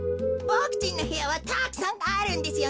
ボクちんのへやはたくさんあるんですよね。